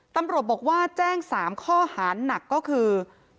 ตำรวจบอกว่าแจ้ง๓ข้อหาหนักก็คือ